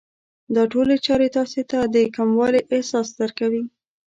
دا ټولې چارې تاسې ته د کموالي احساس درکوي.